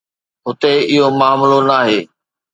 هتي اهو معاملو ناهي